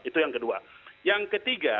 itu yang kedua yang ketiga